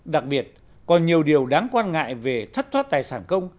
đặc biệt còn nhiều điều đáng quan ngại về thất thoát tài sản công